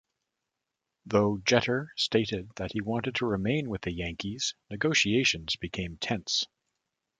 Though Jeter stated that he wanted to remain with the Yankees, negotiations became tense.